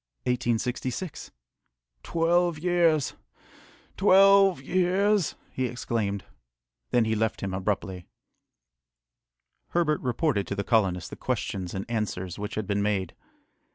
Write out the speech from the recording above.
"Twelve years! twelve years!" he exclaimed. Then he left him abruptly. Herbert reported to the colonists the questions and answers which had been made.